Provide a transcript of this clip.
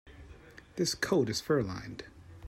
This coat is fur-lined.